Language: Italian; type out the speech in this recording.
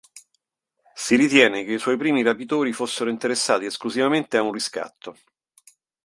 Si ritiene che i suoi primi rapitori fossero interessati esclusivamente a un riscatto.